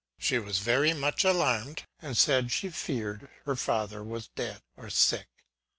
She was very much alarmed, and said she feared her father was dead, or sick.